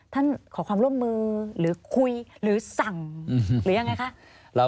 ขอความร่วมมือหรือคุยหรือสั่งหรือยังไงคะ